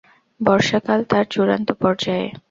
বর্ষাকাল তার চূড়ান্ত পর্যায়ে।